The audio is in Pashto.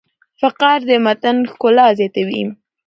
فقره د متن ښکلا زیاتوي.